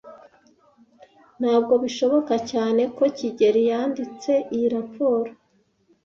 Ntabwo bishoboka cyane ko kigeli yanditse iyi raporo.